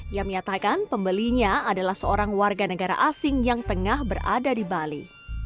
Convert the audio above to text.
yang menyatakan pembelinya adalah seorang warga negara asing yang tengah berada di bali